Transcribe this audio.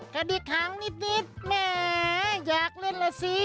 กระดิกหางนิดแหมอยากเล่นล่ะสิ